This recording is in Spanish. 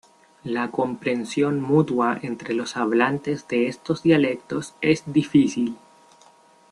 La comprensión mutua entre los hablantes de estos dialectos es difícil.